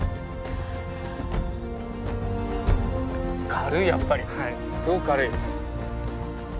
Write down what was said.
軽いやっぱりすごく軽い。